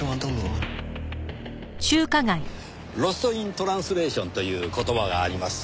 「ロスト・イン・トランスレーション」という言葉があります。